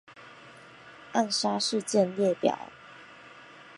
暗杀事件列表